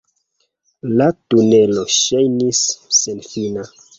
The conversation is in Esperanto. La tunelo ŝajnis senfina.